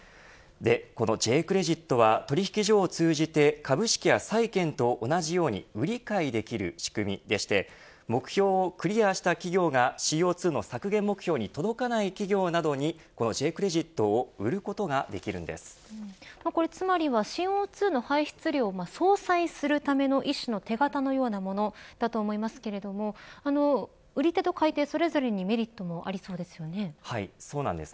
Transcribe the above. このＪ−クレジットは取引所を通じて株式や債券と同じように売り買いできる仕組みでして目標をクリアした企業がＣＯ２の削減目標に届かない企業などにこのＪ−クレジットをつまりは、ＣＯ２の排出量を相殺するための一種の手形のようなものだと思いますけれども売り手と買い手、それぞれにそうなんです。